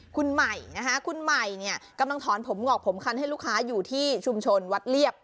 คุณใหม่นะคะคุณใหม่เนี่ยกำลังถอนผมงอกผมคันให้ลูกค้าอยู่ที่ชุมชนวัดเรียบ